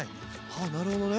あっなるほどね。